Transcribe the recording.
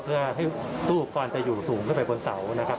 เพื่อให้ตู้อุปกรณ์จะอยู่สูงขึ้นไปบนเสานะครับ